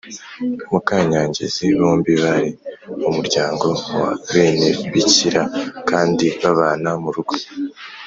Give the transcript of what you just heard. mukanyangezi bombi bari mu muryango wa benebikira kandi babana mu rugo